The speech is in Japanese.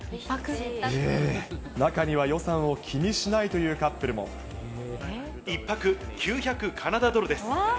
中には予算を気にしないとい１泊９００カナダドルです。